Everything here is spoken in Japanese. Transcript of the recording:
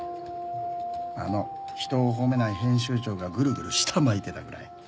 あの人を褒めない編集長がグルグル舌巻いてたぐらい。